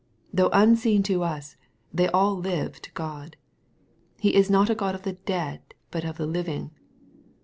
Though unseen to us, they all live to God. " He is not a Q^d of the dead, but of the living."